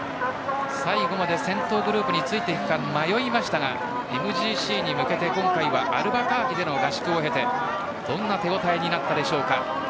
最後まで先頭グループについていくか迷いましたがＭＧＣに向けて今回はアルバカーキで合宿を経てどんな状態になったでしょうか。